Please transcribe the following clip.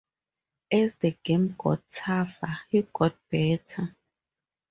As the game got tougher, he got better.